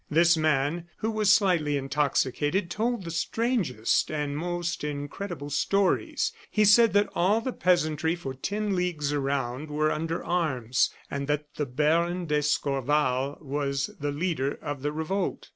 This man, who was slightly intoxicated, told the strangest and most incredible stories. He said that all the peasantry for ten leagues around were under arms, and that the Baron d'Escorval was the leader of the revolt.